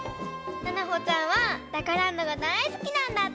ななほちゃんは「ダカランド」がだいすきなんだって！